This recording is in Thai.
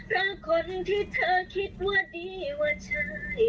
รักคนที่เธอคิดว่าดีว่าใช่